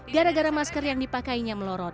gara gara masker yang dipakainya melorot